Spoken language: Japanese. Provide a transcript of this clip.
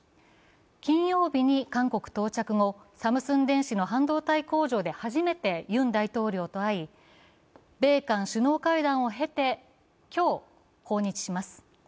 金曜日に韓国到着後、サムスン電子の半導体工場で初めてユン大統領と会い、米韓首脳会談を経て今日、訪日します。